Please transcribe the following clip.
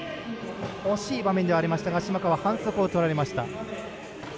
惜しい場面ではありましたが島川、反則をとられました。